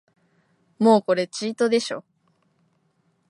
もうこれチートでしょ